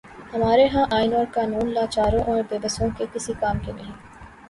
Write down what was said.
ہمارے ہاں آئین اور قانون لاچاروں اور بے بسوں کے کسی کام کے نہیں۔